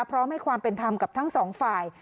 พร้อมให้ความเป็นธรรมกับทั้งสองฝ่าย